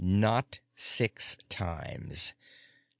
Not six times.